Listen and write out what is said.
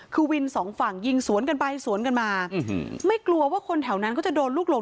คือวินสองฝั่งยิงสวนกันไปสวนกันมาไม่กลัวว่าคนแถวนั้นเขาจะโดนลูกหลง